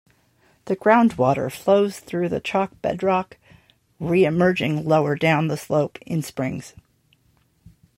The groundwater flows through the chalk bedrock, re-emerging lower down the slope in springs.